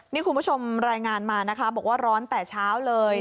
นี่คุณผู้ชมรายงานมานะคะบอกว่าร้อนแต่เช้าเลย